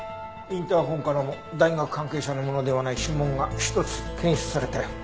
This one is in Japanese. インターホンからも大学関係者のものではない指紋が１つ検出されたよ。